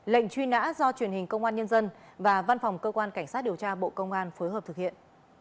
lệnh truy nã do truyền hình công an nhân dân và văn phòng cơ quan cảnh sát điều tra bộ công an phối hợp thực hiện